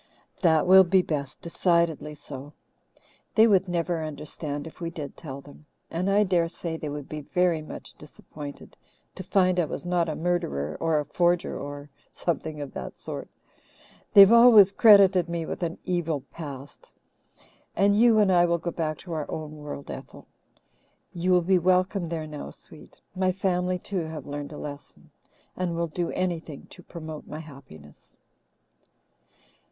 "That will be best decidedly so. They would never understand if we did tell them. And I daresay they would be very much disappointed to find I was not a murderer or a forger or something of that sort. They have always credited me with an evil past. And you and I will go back to our own world, Ethel. You will be welcome there now, sweet my family, too, have learned a lesson, and will do anything to promote my happiness."